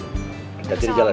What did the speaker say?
kita sendiri jalan ya